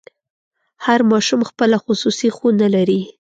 هر ماشوم خپله خصوصي خونه لري.